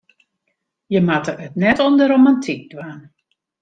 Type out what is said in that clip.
Je moatte it net om de romantyk dwaan.